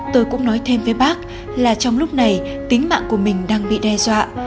tôi cũng nói thêm với bác là trong lúc này tính mạng của mình đang bị đe dọa